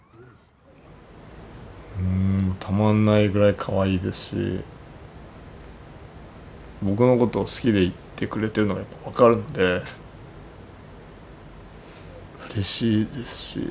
たまんないぐらいかわいいですし、僕のことを好きでいてくれているのがやっぱ分かるので、うれしいですし。